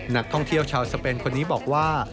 นักท่องเที่ยวชาวสเปนคนนี้บอกว่า